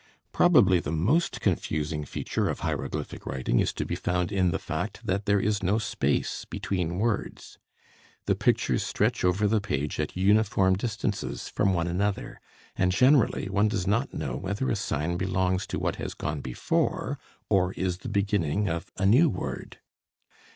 Probably the most confusing feature of hieroglyphic writing is to be found in the fact that there is no space between words. The pictures stretch over the page at uniform distances from one another, and generally one does not know whether a sign belongs to what has gone before or is the beginning of a new word.